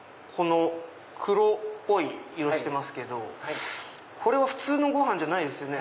黒っぽい色してますけどこれは普通のご飯じゃないですよね？